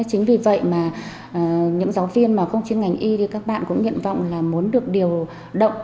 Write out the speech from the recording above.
chính vì vậy mà những giáo viên mà không chuyên ngành y thì các bạn cũng nghiện vọng là muốn được điều động